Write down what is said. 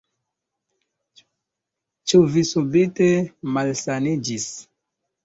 Ĉu vi subite malsaniĝis?